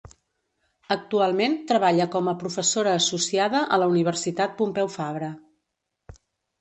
Actualment treballa com a professora associada a la Universitat Pompeu Fabra.